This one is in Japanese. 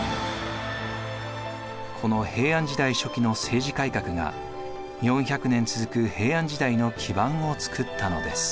この平安時代初期の政治改革が４００年続く平安時代の基盤を作ったのです。